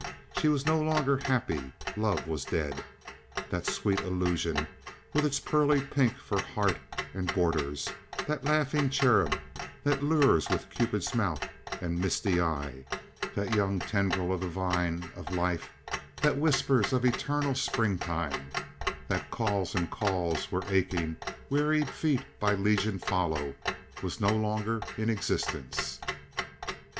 She was no longer happy. Love was dead. That sweet illusion, with its pearly pink for heart and borders, that laughing cherub that lures with Cupid's mouth and misty eye, that young tendril of the vine of life that whispers of eternal spring time, that calls and calls where aching, wearied feet by legion follow, was no longer in existence.